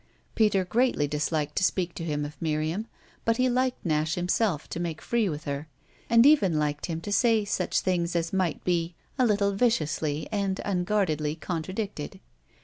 Peter greatly disliked to speak to him of Miriam, but he liked Nash himself to make free with her, and even liked him to say such things as might be a little viciously and unguardedly contradicted.